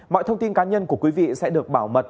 mọi thông tin cá nhân của quý vị sẽ được bảo mật